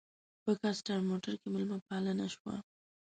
په کاسټر موټر کې مېلمه پالنه شوه.